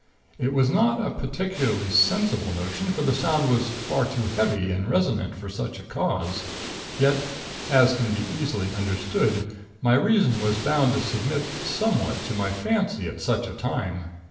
It was not a particularly sensible notion, for the sound was far too heavy and resonant for such a cause. Yet, as can be easily understood, my reason was bound to submit somewhat to my fancy at such a time.